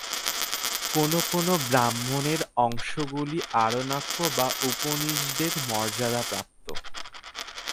কোনো কোনো "ব্রাহ্মণের" অংশগুলি আরণ্যক বা উপনিষদের মর্যাদাপ্রাপ্ত।